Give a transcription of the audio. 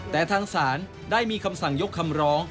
แต่ทางศาลได้มีคำสั่งยกคำร้อง